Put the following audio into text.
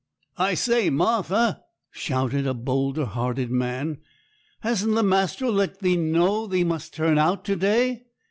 'I say, Martha,' shouted a bolder hearted man, 'hasn't the master let thee know thee must turn out to day?